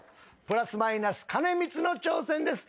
プラス・マイナス兼光の挑戦です。